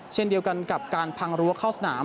เช่นเดียวกันกับการพังรั้วเข้าสนาม